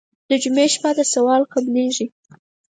د جمعې شپه ده سوال قبلېږي.